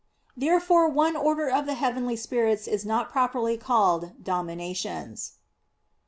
Therefore one order of the heavenly spirits is not properly called "Dominations."